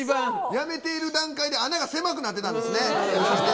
やめている段階で穴が狭くなってたんですね。